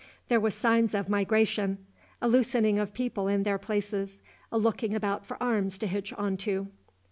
There were signs of migration, a loosening of people in their places, a looking about for arms to hitch on to.